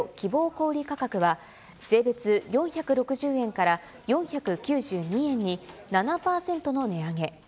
小売り価格は、税別４６０円から４９２円に、７％の値上げ。